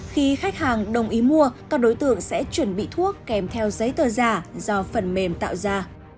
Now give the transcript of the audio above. khi khách hàng đồng ý mua các đối tượng sẽ chuẩn bị thuốc kèm theo giấy tờ giả do phần mềm tạo ra